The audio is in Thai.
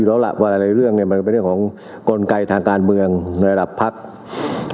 แล้วล่ะว่าหลายเรื่องเนี่ยมันเป็นเรื่องของกลไกทางการเมืองในระดับภักดิ์